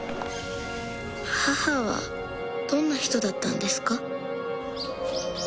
母はどんな人だったんですか？